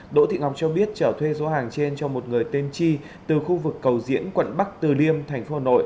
đỗ thị ngọc cho biết trở thuê số hàng trên cho một người tên chi từ khu vực cầu diễn quận bắc từ liêm tp hcm